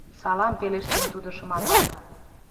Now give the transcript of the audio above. — Салам, — пелештен тудо шыманрак.